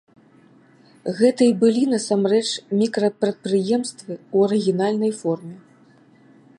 Гэта і былі насамрэч мікрапрадпрыемствы ў арыгінальнай форме.